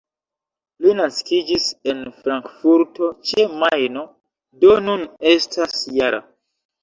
Li naskiĝis en Frankfurto ĉe Majno, do nun estas -jara.